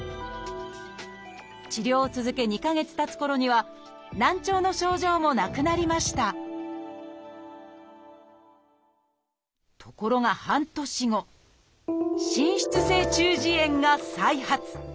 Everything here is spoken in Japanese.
治療を続け２か月たつころには難聴の症状もなくなりましたところが半年後滲出性中耳炎が再発。